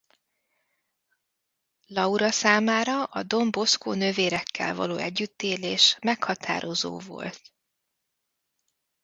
Laura számára a Don Bosco nővérekkel való együttélés meghatározó volt.